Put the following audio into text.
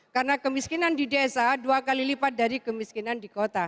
karena kemiskinan di desa dua kali lipat dari kemiskinan di kota